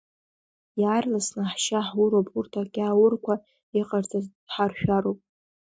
Иаарласны ҳшьа ҳуроуп, урҭ агьааурқәа иҟарҵаз дҳаршәароуп.